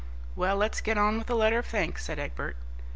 "Well, let's get on with the letter of thanks," said Egbert.